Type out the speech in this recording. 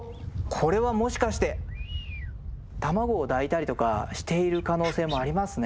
これはもしかして卵を抱いたりとかしている可能性もありますね。